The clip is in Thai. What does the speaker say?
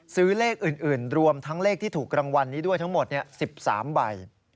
ซื้อเลขอื่นรวมทั้งเลขที่ถูกรางวัลนี้ด้วยทั้งหมด๑๓ใบ